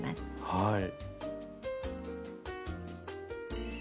はい。